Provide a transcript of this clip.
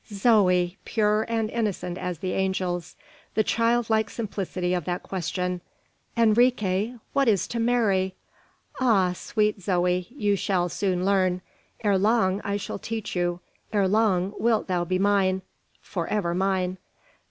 Zoe, pure and innocent as the angels." The child like simplicity of that question, "Enrique, what is to marry?" Ah! sweet Zoe! you shall soon learn. Ere long I shall teach you. Ere long wilt thou be mine; for ever mine!